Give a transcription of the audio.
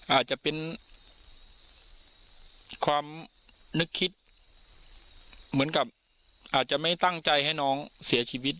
อาจจะเป็นความนึกคิดเหมือนกับอาจจะไม่ตั้งใจให้น้องเสียชีวิต